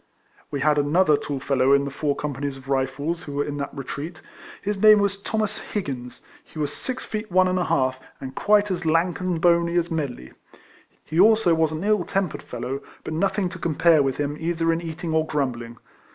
We had another tall fellow in the four companies of Eifles who were in that retreat. His name was Thomas Higgins; he was six feet one and a half, and quite as lank and bony as Medley. He also was an ill tempered fellow, but nothing to compare with him either in eating or grumbling.